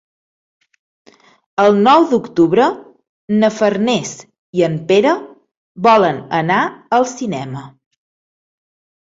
El nou d'octubre na Farners i en Pere volen anar al cinema.